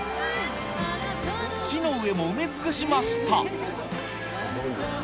木の上も埋め尽くしました。